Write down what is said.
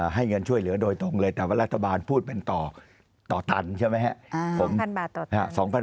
ให้เงินช่วยเหลือโดยตรงเลยแต่ว่ารัฐบาลพูดเป็นต่อตันใช่ไหมครับ